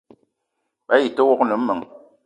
Byi te wok ne meng :